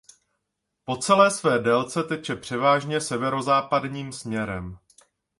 Po celé své délce teče převážně severozápadním směrem.